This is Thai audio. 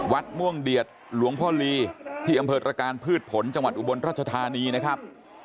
วัดม่วงเดือดหลวงพ่อลีที่อำเภอตรการพืชผลจังหวัดอุบลรัชธานีนะครับ